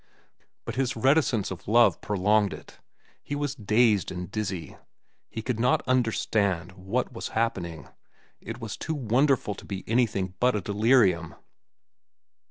But his reticence of love prolonged it. He was dazed and dizzy. He could not understand what was happening. It was too wonderful to be anything but a delirium.